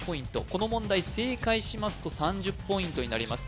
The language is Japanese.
この問題正解しますと３０ポイントになります